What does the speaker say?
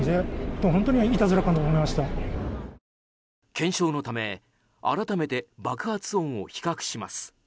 検証のため改めて爆発音を比較します。